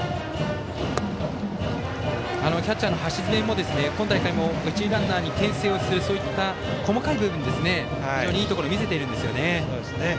キャッチャーの橋爪も今大会、一塁ランナーにけん制をするそういった細かい部分で非常にいいところを見せているんですよね。